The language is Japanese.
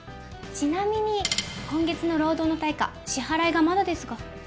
ちなみに今月の労働の対価支払いがまだですが。